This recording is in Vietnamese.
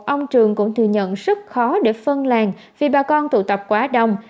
ông trường cũng thừa nhận rất khó để phân làng vì bà con tụ tập quá đông